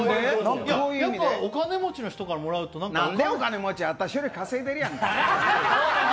やっぱお金持ちの人からもらうとなんでお金持ち、私より稼いでるやん。